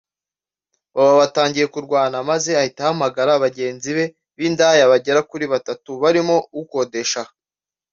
baba batangiye kurwana maze ahita ahamagara bagenzi be b’indaya bagera kuri batatu barimo ukodesha aha